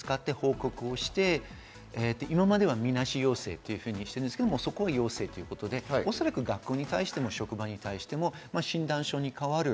それでも、それを使って報告して今まではみなし陽性というふうにしていますが、そこを陽性ということで、おそらく学校に対しても職場に対しても診断書に代わる。